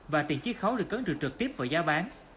và tiền chiếc khấu được cấn trừ trực tiếp vào giá bán